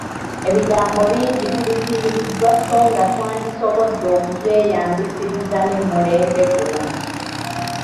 Ebigambo bingi tubifiiriddwa so nga twandisobodde okubyeyambisiriza ne mulembe guno,